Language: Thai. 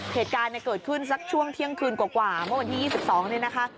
เหตุการณ์เกิดขึ้นสักช่วงเที่ยงคืนกว่าเมื่อวันที่๒๒เนี่ยนะคะ